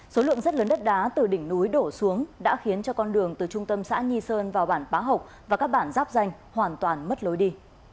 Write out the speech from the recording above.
số lượng rất lớn đất đá từ đỉnh núi đổ xuống đã khiến cho con đường từ trung tâm xã nhi sơn vào bản bá hộc và các bản giáp danh hoàn toàn mất lối đi